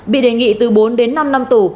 bị đề nghị từ bốn năm năm tù